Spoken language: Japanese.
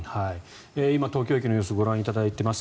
今、東京駅の様子ご覧いただいています。